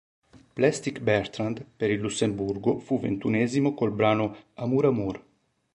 Plastic Bertrand, per il Lussemburgo, fu ventunesimo col brano "Amour-amour".